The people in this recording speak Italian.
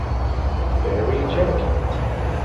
Barry Jenkins